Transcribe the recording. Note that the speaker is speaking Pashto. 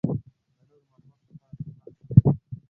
د نورو معلومات لپاره د تماس شمېرې: